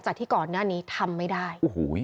จากที่ก่อนหน้านี้ทำไม่ได้